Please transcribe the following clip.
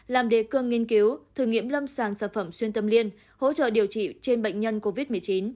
làm đề cương nghiên cứu thử nghiệm lâm sàng sản phẩm xuyên tâm liên hỗ trợ điều trị trên bệnh nhân covid một mươi chín